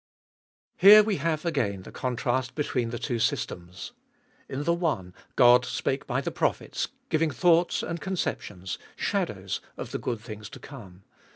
/. Here we have again the contrast between the two systems. In the one Qod spake by the prophets, giving thoughts and conceptions — shadows of he good things to come.